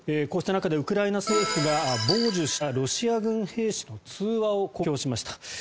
こうした中でウクライナ政府が傍受したロシア軍兵士の通話を公表しました。